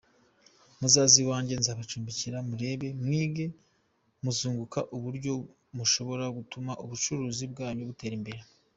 Muzaze iwanjye nzabacumbikira murebe, mwige, muzunguka uburyo mushobora gutuma ubucuruzi bwanyu butera imbere”.